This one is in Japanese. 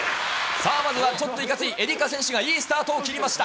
さあまずはいかつい愛花選手がいいスタートを切りました。